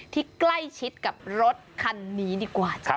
ที่ใกล้ชิดกับรถคันนี้ดีกว่า